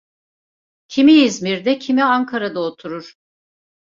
Kimi İzmir'de, kimi Ankara'da oturur…